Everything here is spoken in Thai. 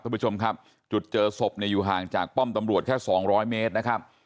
คุณผู้ชมครับจุดเจอศพเนี่ยอยู่ห่างจากป้อมตำรวจแค่สองร้อยเมตรนะครับ